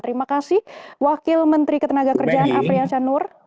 terima kasih wakil menteri ketenaga kerjaan afriansyah nur